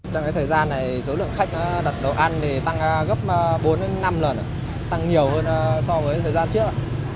trong cái thời gian này số lượng khách đặt đồ ăn tăng gấp bốn năm lần tăng nhiều hơn so với thời gian trước